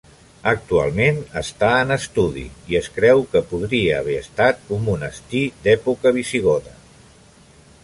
Actualment està en estudi i es creu que podria haver estat un monestir d'època visigoda.